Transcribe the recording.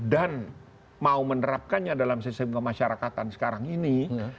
dan mau menerapkannya dalam sistem kemasyarakatan sekarang ini